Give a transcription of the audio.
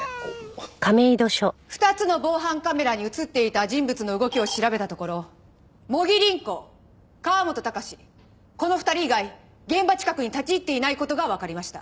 ２つの防犯カメラに映っていた人物の動きを調べたところ茂木凛子河元鷹志この２人以外現場近くに立ち入っていない事がわかりました。